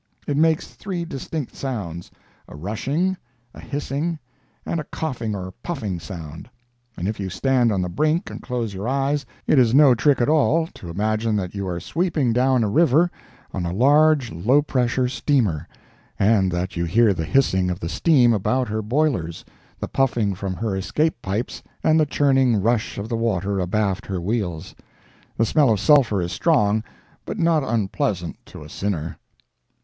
It makes three distinct sounds—a rushing, a hissing, and a coughing or puffing sound; and if you stand on the brink and close your eyes it is no trick at all to imagine that you are sweeping down a river on a large low pressure steamer, and that you hear the hissing of the steam about her boilers, the puffing from her escape pipes and the churning rush of the water abaft her wheels. The smell of sulfur is strong, but not unpleasant to a sinner.